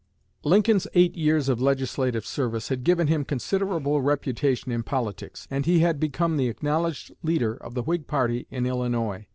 Lincoln's eight years of legislative service had given him considerable reputation in politics, and he had become the acknowledged leader of the Whig party in Illinois.